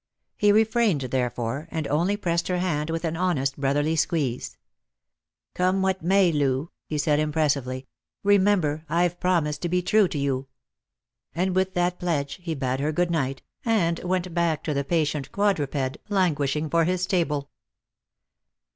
He refrained, therefore, and only pressed her hand with an honest brotherly squeeze. " Come what may, Loo," he said impressively, " remember I've promised to be true to you." And with that pledge he bade her " good night," and went back to the patient quadruped, languishing for his stable.